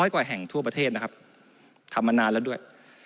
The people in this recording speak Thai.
กว่าแห่งทั่วประเทศนะครับทำมานานแล้วด้วย